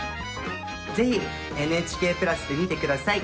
是非「ＮＨＫプラス」で見て下さい。